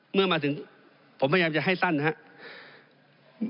เมื่อมาถึงผมพยายามจะให้สั้นนะครับ